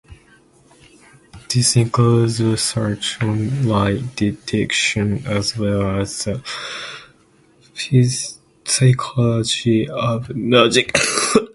This includes research on lie-detection as well as the psychology of magic.